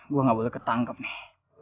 gue gak boleh ketangkep nih